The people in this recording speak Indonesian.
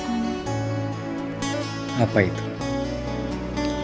aku ingin berbohong